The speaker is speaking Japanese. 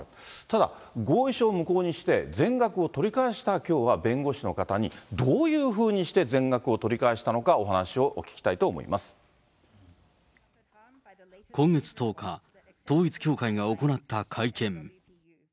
ただ、合意書を無効にして、全額を取り返した、きょうは弁護士の方に、どういうふうにして全額を取り返したのかお話をお聞きしたいと思今月１０日、統一教会が行った会見。